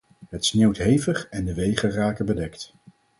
Het sneeuwt hevig, en de wegen raken bedekt.